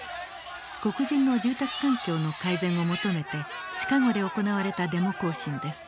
黒人の住宅環境の改善を求めてシカゴで行われたデモ行進です。